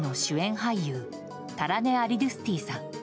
俳優タラネ・アリドゥスティさん。